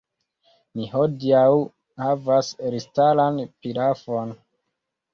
Ni hodiaŭ havas elstaran pilafon!